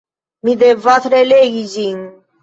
Mi devas relegi ĝin.